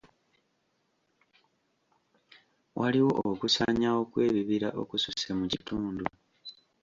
Waliwo okusaanyawo kw'ebibira okususse mu kitundu.